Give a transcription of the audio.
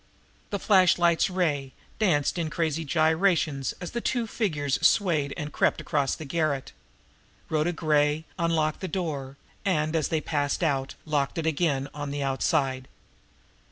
The flashlight's ray danced in crazy gyrations as the two figures swayed and crept across the garret. Rhoda Gray unlocked the door, and, as they passed out, locked it again on the outside.